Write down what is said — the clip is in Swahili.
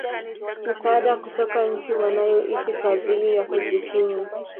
misaada kutoka nchi wanayoishi kwa ajili ya kujikimu